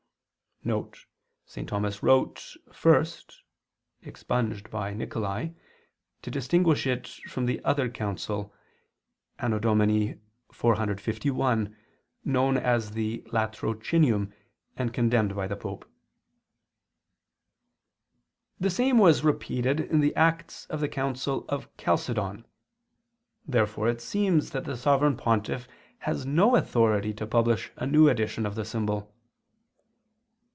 [*St. Thomas wrote 'first' (expunged by Nicolai) to distinguish it from the other council, A.D. 451, known as the "Latrocinium" and condemned by the Pope.] The same was repeated in the acts of the council of Chalcedon (P. ii, Act. 5). Therefore it seems that the Sovereign Pontiff has no authority to publish a new edition of the symbol.